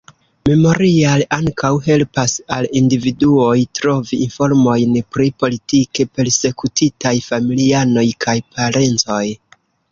Memorial ankaŭ helpas al individuoj trovi informojn pri politike persekutitaj familianoj kaj parencoj.